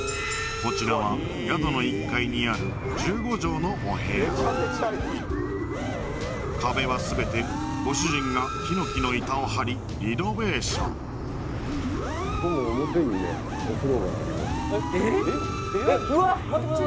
こちらは宿の１階にある１５畳のお部屋壁は全てご主人がヒノキの板をはりリノベーションえっ？